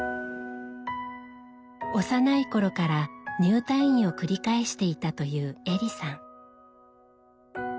幼い頃から入退院を繰り返していたというエリさん。